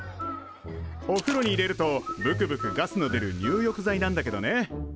おふろに入れるとぶくぶくガスの出る入浴剤なんだけどね